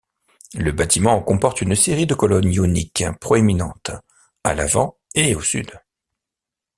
Le bâtiment comporte une série de colonnes ioniques proéminentes à l'avant et au sud.